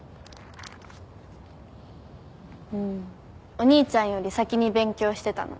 お兄ちゃんより先に勉強してたの。